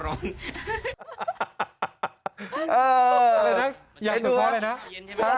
คุณผู้ชมเอ็นดูท่านอ่ะ